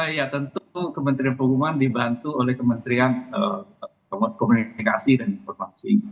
ya tentu kementerian perhubungan dibantu oleh kementerian komunikasi dan informasi